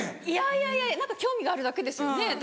いやいやいや興味があるだけですよね。